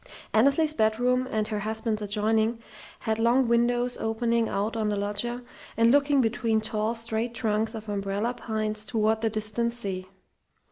Annesley's bedroom and her husband's adjoining had long windows opening out on the loggia and looking between tall, straight trunks of umbrella pines toward the distant sea.